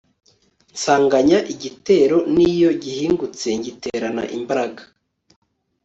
nsanganya igitero niyo gihingutse ngiterana imbaraga